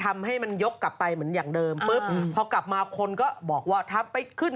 ทำไมมดดำถึงไปเห็นหุ่นเห็นอะไรตลอด